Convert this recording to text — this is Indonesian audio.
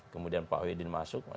kemudian pak wiedin masuk